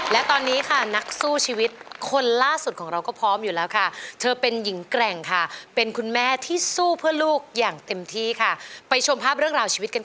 และตอนนี้ค่ะนักสู้ชีวิตคนล่าสุดของเราก็พร้อมอยู่แล้วค่ะเธอเป็นหญิงแกร่งค่ะเป็นคุณแม่ที่สู้เพื่อลูกอย่างเต็มที่ค่ะไปชมภาพเรื่องราวชีวิตกันค่ะ